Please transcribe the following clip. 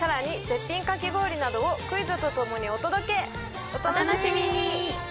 絶品かき氷などをクイズとともにお届けお楽しみに！